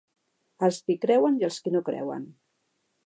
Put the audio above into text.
Els qui creuen i els qui no creuen.